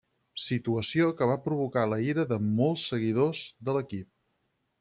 Situació que va provocar la ira de molts seguidors de l'equip.